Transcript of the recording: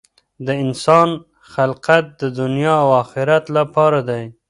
د انسان خلقت د دنیا او آخرت لپاره دی.